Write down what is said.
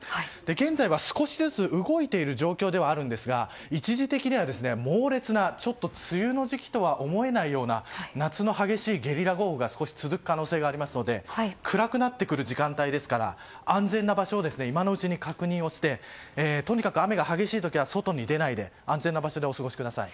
現在は少しずつ動いている状況ではあるんですが一時的に猛烈な梅雨の時期とは思えないような夏の激しいゲリラ豪雨が続く可能性がありますので暗くなってくる時間帯ですから安全な場所を今のうちに確認をしてとにかく雨が激しい時は外に出ないで安全な場所でお過ごしください。